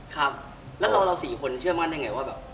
ครับแล้วเรา๔คนเชื่อมั่นได้ไงว่าแบบ